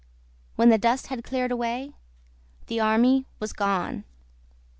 When the dust had cleared away, the army was gone.